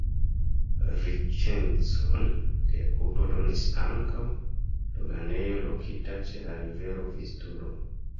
Riĉecon de la urbo donis ankaŭ doganejo lokita ĉe la rivero Vistulo.